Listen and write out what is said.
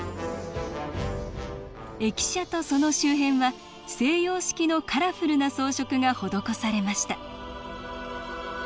駅舎とその周辺は西洋式のカラフルな装飾が施されました